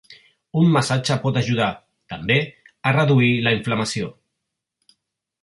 Un massatge pot ajudar, també, a reduir la inflamació.